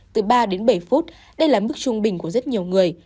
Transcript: từ ba đến bảy phút đây là mức trung bình của rất nhiều người